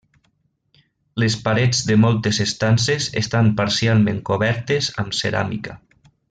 Les parets de moltes estances estan parcialment cobertes amb ceràmica.